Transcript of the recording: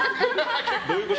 どういうこと？